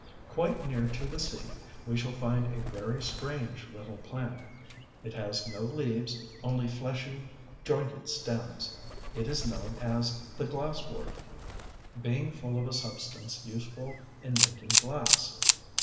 Quite near to the sea we shall find a very strange little plant. It has no leaves, only fleshy, jointed stems. It is known as the Glass wort, being full of a substance useful in making glass.